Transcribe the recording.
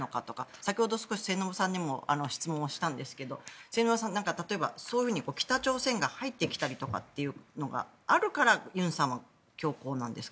先ほど少し末延さんにも質問したんですが末延さん、例えば北朝鮮が入ってきたりとかというのがあるから尹さんは強硬なんですか。